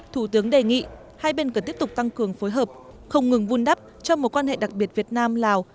thủ tướng đề nghị hai bên cần tiếp tục tăng cường phối hợp không ngừng vun đắp cho mối quan hệ đặc biệt việt nam lào